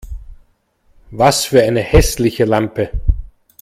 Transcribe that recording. Was für eine hässliche Lampe!